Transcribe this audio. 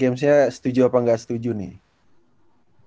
game saya setuju apa nggak setuju nih